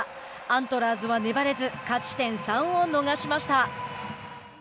アントラーズは粘れず勝ち点３を逃しました。